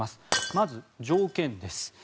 まず条件です。